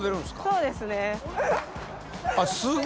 そうですね。